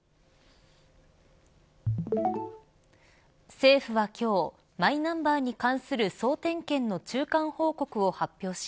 政府は今日マイナンバーに関する総点検の中間報告を発表し